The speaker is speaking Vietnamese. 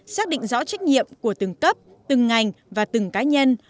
xác định rõ trách nhiệm của từng cấp từng ngành và từng cá nhân